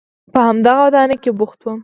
په همدغه ودانۍ کې بوخت وم.